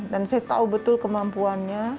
dan saya tahu betul kemampuannya